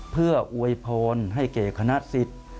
เพื่ออวยพรให้แก่คณะสิทธิ์